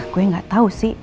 gue nggak tahu sih